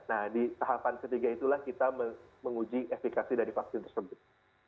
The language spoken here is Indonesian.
nah di tahapan ketiga itulah kita menguji efekasi dari vaksin tersebut